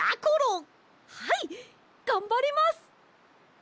はいがんばります！